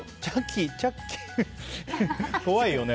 チャッキー、怖いよね